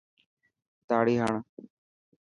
تاڙي هڻ.